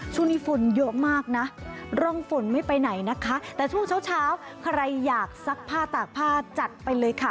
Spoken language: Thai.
ช่วงนี้ฝนเยอะมากนะร่องฝนไม่ไปไหนนะคะแต่ช่วงเช้าเช้าใครอยากซักผ้าตากผ้าจัดไปเลยค่ะ